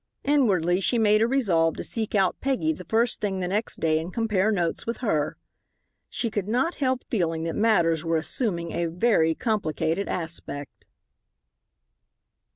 Inwardly she made a resolve to seek out Peggy the first thing the next day and compare notes with her. She could not help feeling that matters were assuming a very complicated aspect.